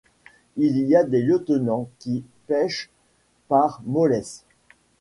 Il y a des lieutenants qui pèchent par mollesse.